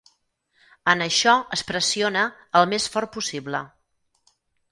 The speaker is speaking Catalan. En això es pressiona el més fort possible.